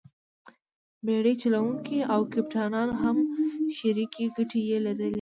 بېړۍ چلوونکي او کپټانان هم شریکې ګټې یې لرلې.